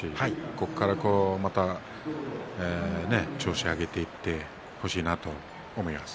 ここから調子を上げていってほしいなと思います。